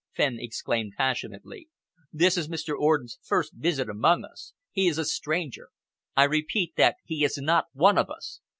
Fenn exclaimed passionately. "This is Mr. Orden's first visit amongst us. He is a stranger. I repeat that he is not one of us.